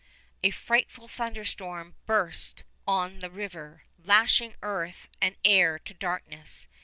A frightful thunderstorm burst on the river, lashing earth and air to darkness.